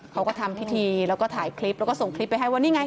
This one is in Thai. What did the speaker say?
เขาก็ทำพิธีแล้วก็ถ่ายคลิปแล้วก็ส่งคลิปไปให้ว่านี่ไง